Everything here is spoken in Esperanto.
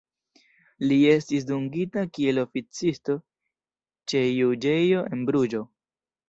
Li estis dungita kiel oficisto ĉe juĝejo en Bruĝo.